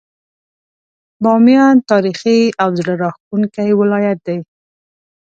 باميان تاريخي او زړه راښکونکی ولايت دی.